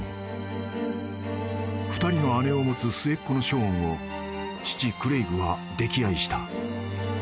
［２人の姉を持つ末っ子のショーンを父クレイグは溺愛した］